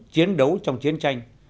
chiến đấu trong chiến tranh